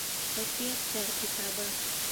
Әкиәттәр китабы